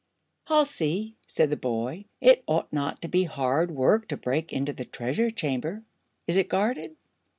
"I'll see," said the boy. "It ought not to be hard work to break into the Treasure Chamber. Is it guarded?"